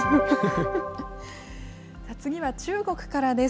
次は中国からです。